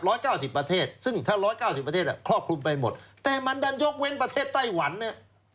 เก้าสิบประเทศซึ่งถ้าร้อยเก้าสิบประเทศอ่ะครอบคลุมไปหมดแต่มันดันยกเว้นประเทศไต้หวันเนี่ย